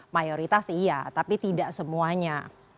mayoritas iya tapi tidak semuanya